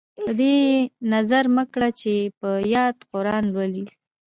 په دې یې نظر مه کړه چې په یاد قران لولي.